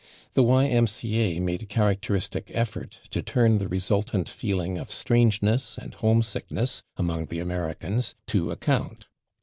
The Y. M. C. A. made a characteristic effort to turn the resultant feeling of strangeness and homesickness among the Americans to account.